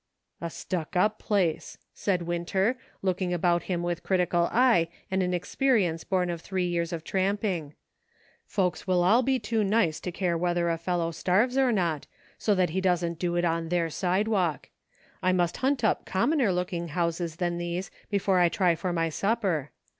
"A stuck up place," said Winter, looking about him with critical eye and an experience born of three years of tramping. " Folks will all be too nice to care whether a fellow starves or not, so that he doesn't do it on their sidewalk. I must hunt up commoner looking houses than these be fore I try for my supper.